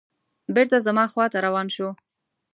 بېرته زما خواته روان شو.